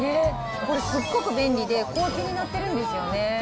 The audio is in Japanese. これ、すっごく便利で、小分けになってるんですよね。